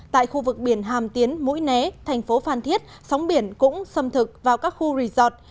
tại khu vực biển hàm tiến mũi né thành phố phan thiết sóng biển cũng xâm thực vào các khu resort